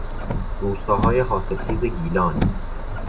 روستاهای حاصلخیز گیلان